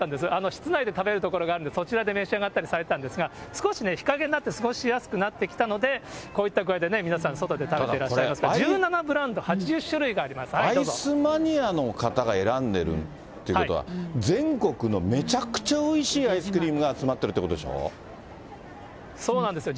室内で食べる所があるんで、そちらで召し上がったりされてたんですが、少し日陰になって、過ごしやすくなってきたので、こういった具合で皆さん、外で食べてらっしゃいますけれども、１７ブランド８０アイスマニアの方が選んでるということは、全国のめちゃくちゃおいしいアイスクリームが集まってるってことそうなんですよ。